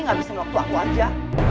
nggak usah ngobroku aku aja